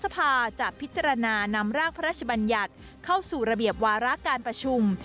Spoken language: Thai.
สภาจะพิจารณานำร่างพระราชบัญญัติเข้าสู่ระเบียบวาระการประชุม